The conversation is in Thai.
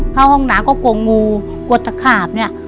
เข้าห้องน้ำก็กลัวงูกลัวตะขาบเนี่ย